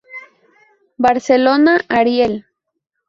Barcelona, Ariel.